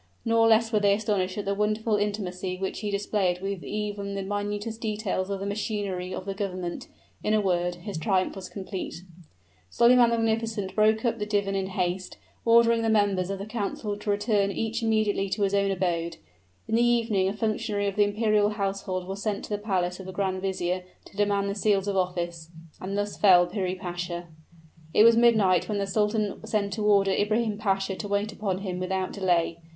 Nor less were they astonished at the wonderful intimacy which he displayed with even the minutest details of the machinery of the government; in a word, his triumph was complete. Solyman the Magnificent broke up the divan in haste, ordering the members of the council to return each immediately to his own abode. In the evening a functionary of the imperial household was sent to the palace of the grand vizier to demand the seals of office; and thus fell Piri Pasha. It was midnight when the sultan sent to order Ibrahim Pasha to wait upon him without delay.